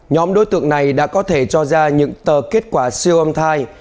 nhóm đối tượng này đã có thể cho ra những tờ kết quả siêu âm thai